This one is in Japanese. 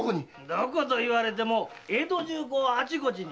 どこと言われても江戸中あちこちに。